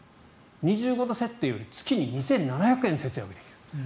２５度設定よりも月に２７００円節約できる。